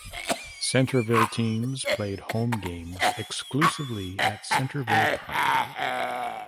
Centreville teams played home games exclusively at Centreville Park.